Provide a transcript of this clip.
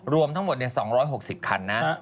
รวมทั้งหมด๒๖๐คันนะ